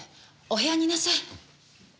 お部屋にいなさい。